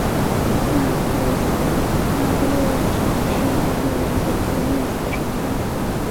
那不勒斯省是意大利人口最密集的省份。